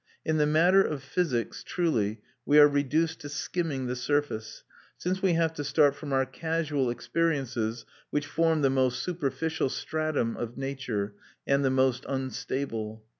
In the matter of physics, truly, we are reduced to skimming the surface, since we have to start from our casual experiences, which form the most superficial stratum of nature, and the most unstable.